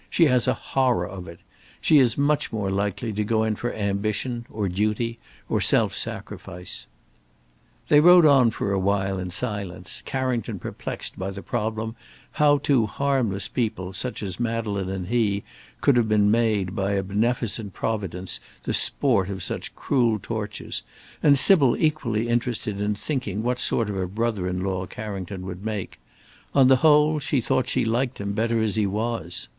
She has a horror of it. She is much more likely to go in for ambition, or duty, or self sacrifice." They rode on for a while in silence, Carrington perplexed by the problem how two harmless people such as Madeleine and he could have been made by a beneficent Providence the sport of such cruel tortures; and Sybil equally interested in thinking what sort of a brother in law Carrington would make; on the whole, she thought she liked him better as he was.